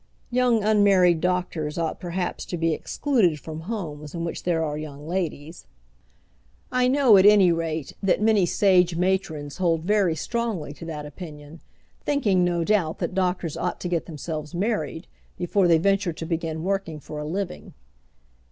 Young unmarried doctors ought perhaps to be excluded from houses in which there are young ladies. I know, at any rate, that many sage matrons hold very strongly to that opinion, thinking, no doubt, that doctors ought to get themselves married before they venture to begin working for a living.